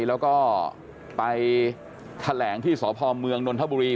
แล้วก็ไปแถลงที่สพเมืองนนทบุรี